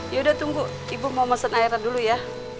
yaudah tunggu ibu mau mesen airnya dulu ya